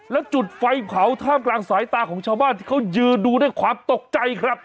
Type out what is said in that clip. แล้วจุดไฟเผาท่ามกลางสายตาของชาวบ้านที่เขายืนดูด้วยความตกใจครับ